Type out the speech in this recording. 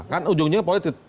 kan ujungnya politik